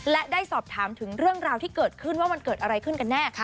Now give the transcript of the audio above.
และได้สอบถามถึงเรื่องราวที่เกิดขึ้นว่ามันเกิดอะไรขึ้นกันแน่